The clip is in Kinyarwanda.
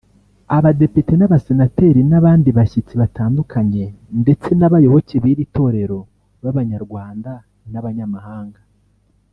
abadepite n’abasenateri n’abandi bashyitsi batandukanye ndetse n’abayoboke b’iri torero b’Abanyarwanda n’abanyamahanga